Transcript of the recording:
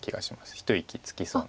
一息つけそうな。